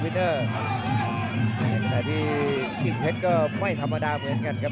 จากที่กิ่งเพชรไม่ธรรมดาเหมือนกันครับ